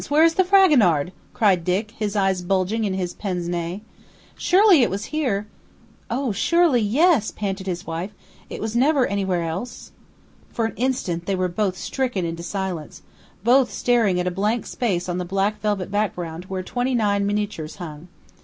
where is the Fragonard?" cried Dick, his eyes bulging behind his pince nez. "Surely it was here " "Oh, surely, yes!" panted his wife. "It was never anywhere else." For an instant they were stricken into silence, both staring at a blank space on the black velvet background where twenty nine miniatures hung.